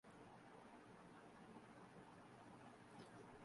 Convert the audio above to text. পল্লী সঞ্চয় ব্যাংকের বর্তমান চেয়ারম্যান তিনি।